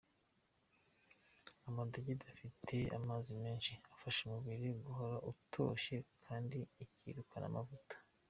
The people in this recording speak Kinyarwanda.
Amadegede afite amzai menshi, afasha umubiri guhora utoshye, kandi akirukana amavuta.